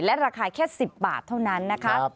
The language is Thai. และราคาแค่๑๐บาทเท่านั้นนะคะ